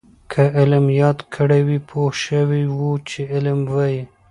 که علم یاد کړی وی پوه شوي وو چې علم وايي.